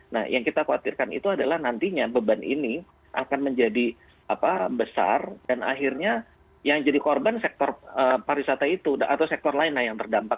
nah yang kita khawatirkan itu adalah nantinya beban ini akan menjadi besar dan akhirnya yang jadi korban sektor pariwisata itu atau sektor lain yang terdampak